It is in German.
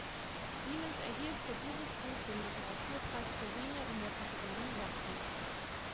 Siemens erhielt für dieses Buch den Literaturpreis Corine in der Kategorie Sachbuch.